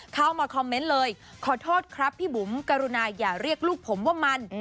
เข้ามาคอมเมนต์เลยขอโทษครับพี่บุ๋มกรุณาอย่าเรียกลูกผมว่ามัน